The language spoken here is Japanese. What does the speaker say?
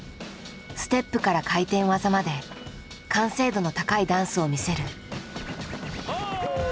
ステップから回転技まで完成度の高いダンスを見せる。